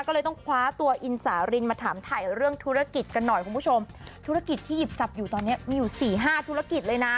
ก็เลยต้องคว้าตัวอินสารินมาถามถ่ายเรื่องธุรกิจกันหน่อยคุณผู้ชมธุรกิจที่หยิบจับอยู่ตอนเนี้ยมีอยู่สี่ห้าธุรกิจเลยนะ